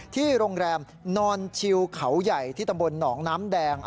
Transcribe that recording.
ที่โรงแรมนอนชิวเขาใหญ่ที่ตำบลหนองน้ำแดง